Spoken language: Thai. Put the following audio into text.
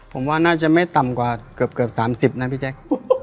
ผมว่าน่าจะไม่ต่ำกว่าเกือบ๓๐นะพี่แจ๊ค